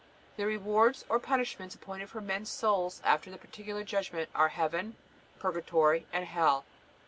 The rewards or punishments appointed for men's souls after the Particular Judgment are Heaven, Purgatory, and Hell.